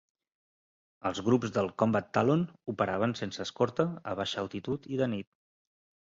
Els grups del Combat Talon operaven sense escorta, a baixa altitud i de nit.